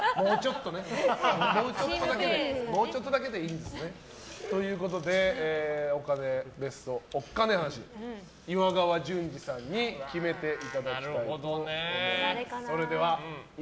もうちょっとね。ということでベストおっカネ話岩川淳二さんに決めていただきたいと思います。